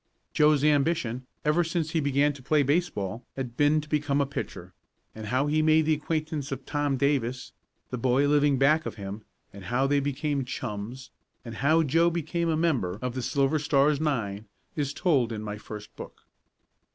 Joe's ambition, ever since he began to play baseball, had been to become a pitcher, and how he made the acquaintance of Tom Davis, the boy living back of him; how they became chums, and how Joe became a member of the Silver Stars nine is told in my first book.